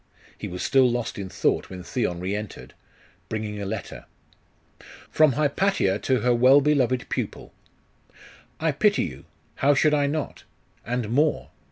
He was still lost in thought when Theon re entered, bringing a letter. 'From Hypatia to her well beloved pupil. 'I pity you how should I not? And more.